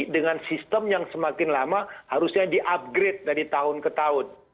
dengan sistem yang semakin lama harusnya di upgrade dari tahun ke tahun